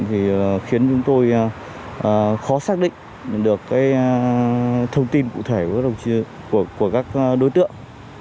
thì khiến chúng tôi khó xác định được thông tin cụ thể của các đối tượng